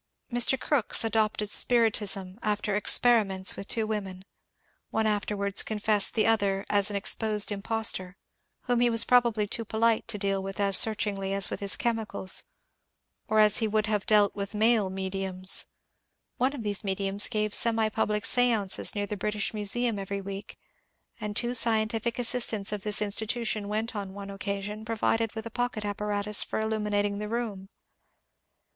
Mr. Crookes adopted spiritism after ^' experi ments " with two women, — one afterwards confessed the other an exposed impostor, — whom he was probably too polite to deal with as searchingly as with his chemicals, or as he would have dealt with male ^* mediums." One of these *^ mediums " gave semi public s&tnces near the British Museum every week, and two scientific assistants of this institution went on one occasion provided with a pocket apparatus for illuminatiDg the room.